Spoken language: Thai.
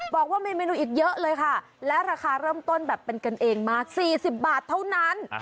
บอกว่ามีเมนูอีกเยอะเลยค่ะและราคาเริ่มต้นแบบเป็นกันเองมาก๔๐บาทเท่านั้น